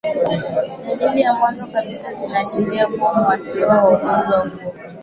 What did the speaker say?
dalili za mwanzo kabisa zinaashiria kuwa muathirika wa ugonjwa huo